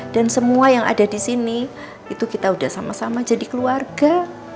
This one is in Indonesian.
dan semua yang ada di sini itu kita udah sama sama jadi keluarga